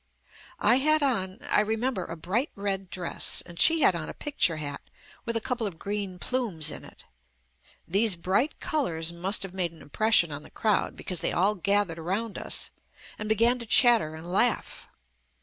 I had on — I remember — a bright red dress, and she had on a picture hat with a couple of green plumes in it. These bright colours must have made an im pression on the crowd, because they all gath JUST ME ered around us, and began to chatter and laugh.